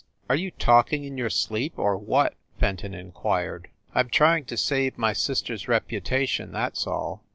"Are you talking in your sleep, or what?" Fenton inquired. "I m trying to save my sister s reputation, that s all.